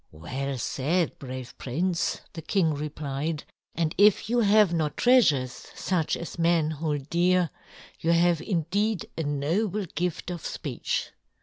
"Well said, brave prince," the king replied, "and if you have not treasures such as men hold dear, you have indeed a noble gift of speech.